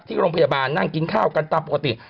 ที่โรงพยาบาลนั่งกินข้าวกันตามปกติ